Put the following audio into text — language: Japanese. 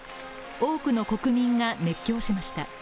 多くの国民が熱狂しました。